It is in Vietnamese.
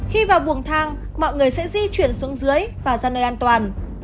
khi vào buồng thang mọi người sẽ di chuyển xuống dưới và ra nơi an toàn